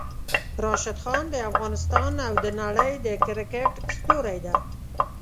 راشد خان د افغانستان او د نړۍ د کرکټ ستوری ده!